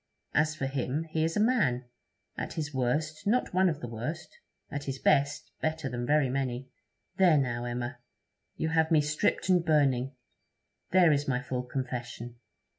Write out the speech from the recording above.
As for him, he is a man; at his worst, not one of the worst; at his best, better than very many. There, now, Emma, you have me stripped and burning; there is my full confession.